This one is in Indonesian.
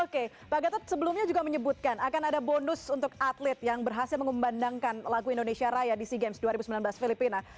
oke pak gatot sebelumnya juga menyebutkan akan ada bonus untuk atlet yang berhasil mengumbandangkan lagu indonesia raya di sea games dua ribu sembilan belas filipina